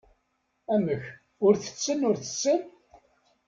Amek, ur tetten ur tessen?